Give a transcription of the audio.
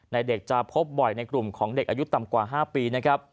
เด็กจะพบบ่อยในกลุ่มของเด็กอายุต่ำกว่า๕ปีนะครับ